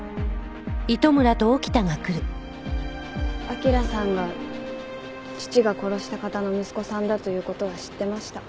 彰さんが父が殺した方の息子さんだという事は知ってました。